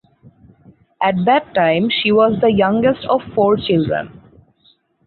At that time she was the youngest of four children.